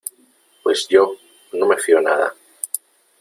Pues yo, no me fío nada.